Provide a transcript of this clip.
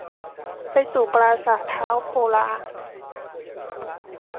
ไปสู่ปราสาทท้าวโปลา